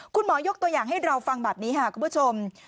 คุณหมอยกตัวอย่างให้เราฟังแบบนี้ค่ะคุณผู้ชม